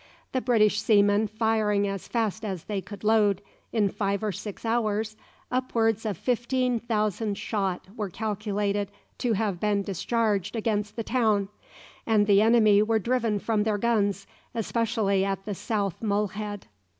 The British seamen firing as fast as they could load, in five or six hours upwards of fifteen thousand shot were calculated to have been discharged against the town, and the enemy were driven from their guns, especially at the South Mole Head.